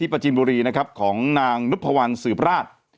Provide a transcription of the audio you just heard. ที่ประจินบุรีนะครับของนางนุภวัณธ์สือประราช